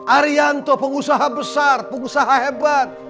arianto pengusaha besar pengusaha hebat